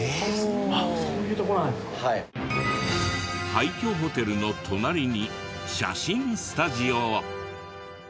廃虚ホテルの隣に写真スタジオを。